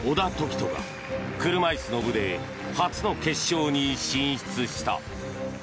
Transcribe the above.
人が車椅子の部で初の決勝に進出した。